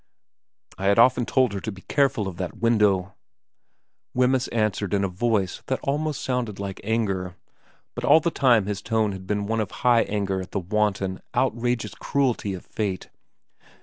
...* I had often told her to be careful of that window,' Wemyss answered in a voice that almost sounded like anger ; but all the time his tone had been one of high anger at the wanton, outrageous cruelty of fate.